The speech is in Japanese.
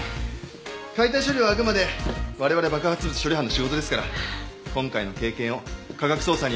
解体処理はあくまで我々爆発物処理班の仕事ですから今回の経験を科学捜査に役立ててください。